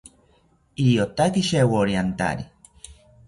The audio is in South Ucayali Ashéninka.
Iriotaki shewori antari